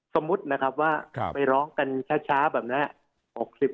สมมุตินะครับว่าไปร้องกันช้าแบบนี้